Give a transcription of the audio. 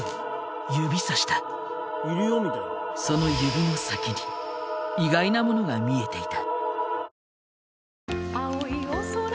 その指の先に意外なものが見えていた。